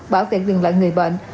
bảo vệ dừng lại người bệnh